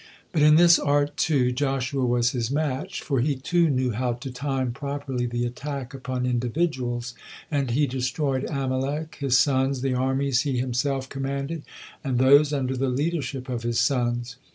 But in this art, too, Joshua was his match, for he, too, knew how to time properly the attack upon individuals, and he destroyed Amalek, his sons, the armies he himself commanded, and those under the leadership of his sons.